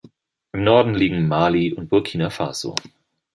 Im Norden liegen Mali und Burkina Faso.